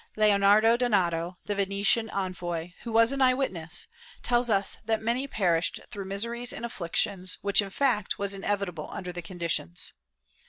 Leonardo Donato, the Venetian envoy, who was an eye witness, tells us that many perished through miseries and afflictions, which, in fact, was inevitable under the conditions.